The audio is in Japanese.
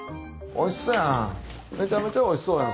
おいしそうやん！